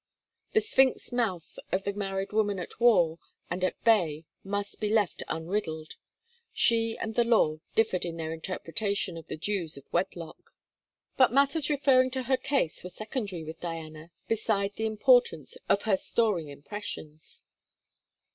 The Sphinx mouth of the married woman at war and at bay must be left unriddled. She and the law differed in their interpretation of the dues of wedlock. But matters referring to her case were secondary with Diana beside the importance of her storing impressions.